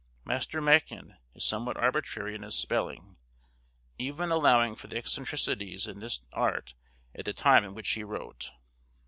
Master Machyn is somewhat arbitrary in his spelling, even allowing for the eccentricities in this art at the time in which he wrote.